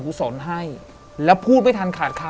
แต่ขอให้เรียนจบปริญญาตรีก่อน